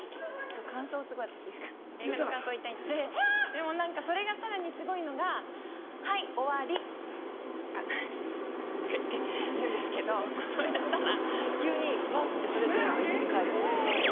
でも何かそれがさらにすごいのが「はい終わり」フフとかって言うんですけどそうやったら急にバッてそれぞれの位置に帰るんです。